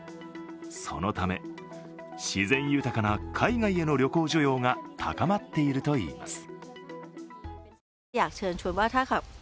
そのため自然豊かな海外への旅行需要が高まっているといいます。